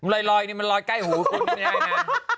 ลอยนี่มันลอยใกล้หูคุณไม่ได้นะ